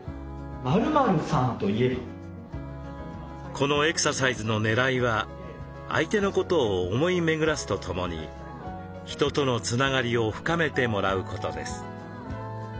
このエクササイズのねらいは相手のことを思い巡らすとともに人とのつながりを深めてもらうことです。